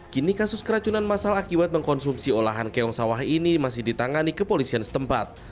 kini kasus keracunan masal akibat mengkonsumsi olahan keong sawah ini masih ditangani kepolisian setempat